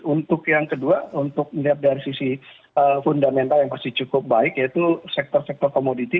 untuk yang kedua untuk melihat dari sisi fundamental yang masih cukup baik yaitu sektor sektor komoditi